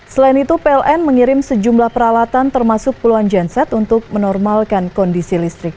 selain itu pln mengirim sejumlah peralatan termasuk puluhan genset untuk menormalkan kondisi listrik